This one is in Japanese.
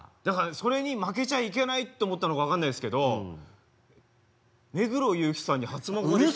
だからそれに負けちゃいけないと思ったのか分かんないですけど目黒祐樹さんに初孫が。